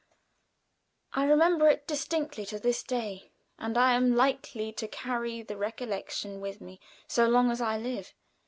I remember it distinctly to this day, and I am likely to carry the recollection with me so long as I live.